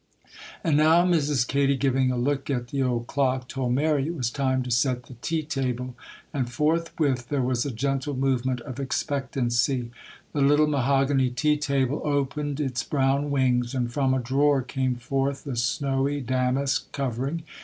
And now Mrs. Katy, giving a look at the old clock, told Mary it was time to set the tea table; and forthwith there was a gentle movement of expectancy. The little mahogany tea table opened its brown wings, and from a drawer came forth the snowy damask covering.